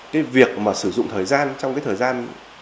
cái việc mà sử dụng thời gian trong cái thời gian